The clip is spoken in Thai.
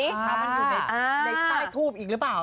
มันอยู่ในใต้ทูบอีกหรือเปล่า